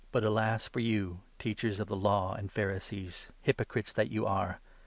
Alas for you, Teachers of the Law and 27 Pharisees, hypocrites that you are